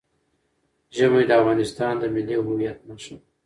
ژمی د افغانستان د ملي هویت نښه ده.